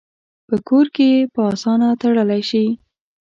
په کور کې یې په آسانه تړلی شي.